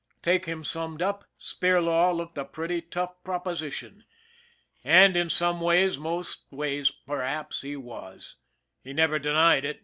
Take him summed up, Spirlaw looked a pretty tough proposition, and in some ways, most ways perhaps, he was he never denied it.